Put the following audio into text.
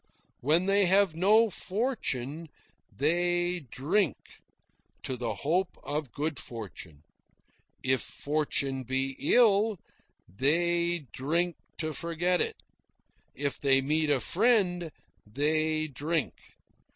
When they have no fortune, they drink to the hope of good fortune. If fortune be ill, they drink to forget it. If they meet a friend, they drink.